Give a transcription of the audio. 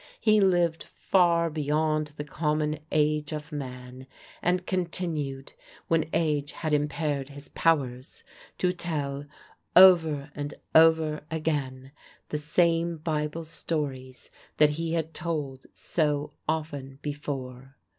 He lived far beyond the common age of man, and continued, when age had impaired his powers, to tell over and over again the same Bible stories that he had told so often before.